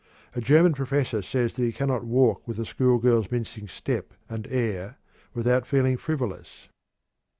A German professor says that he cannot walk with a schoolgirl's mincing step and air without feeling frivolous."